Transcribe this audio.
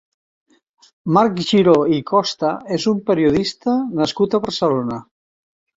Marc Giró i Costa és un periodista nascut a Barcelona.